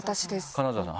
金澤さん